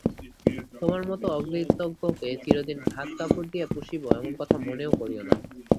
তোমার মতো অকৃতজ্ঞকে চিরদিন ভাত-কাপড় দিয়া পুষিব, এমন কথা মনেও করিয়ো না।